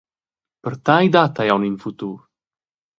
Per tei dat ei aunc in futur.